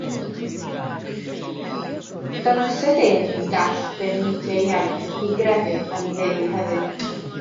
Dangosed ef yn gall pe newidiai ei iaith, ei grefydd, a'i Dduw hefyd.